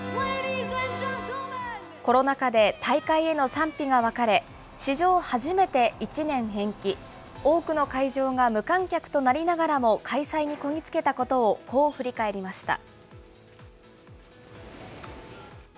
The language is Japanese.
コロナ禍で大会への賛否が分かれ、史上初めて１年延期、多くの会場が無観客となりながらも、開催にこぎ着けたことをこう振り返りました。